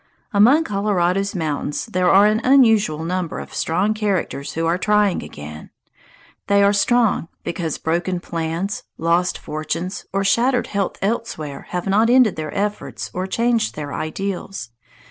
Among Colorado's mountains there are an unusual number of strong characters who are trying again. They are strong because broken plans, lost fortunes, or shattered health elsewhere have not ended their efforts or changed their ideals.